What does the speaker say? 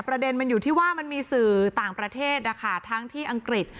ประเด็นมันอยู่ที่ว่ามันมีสื่อต่างประเทศนะคะทั้งที่อังกฤษ